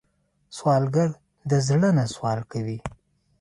سوالګر د زړه نه سوال کوي